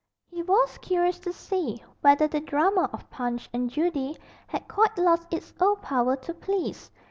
He was curious to see whether the drama of Punch and Judy had quite lost its old power to please.